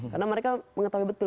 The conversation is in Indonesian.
karena mereka mengetahui betul